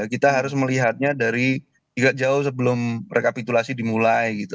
kita harus melihatnya dari tidak jauh sebelum rekapitulasi dimulai gitu